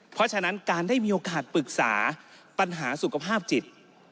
เพราะฉะนั้นการได้มีโอกาสปรึกษาปัญหาสุขภาพจิต